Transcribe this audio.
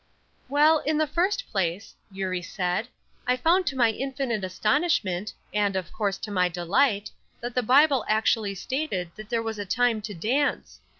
"Well, in the first place," Eurie said, "I found to my infinite astonishment, and, of course, to my delight, that the Bible actually stated that there was a time to dance.